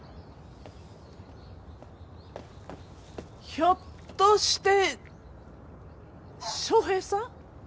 ひょっとして翔平さん？